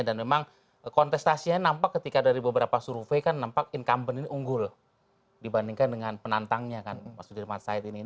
dan memang kontestasinya nampak ketika dari beberapa survei kan nampak incumbent ini unggul dibandingkan dengan penantangnya mas udhir mas said ini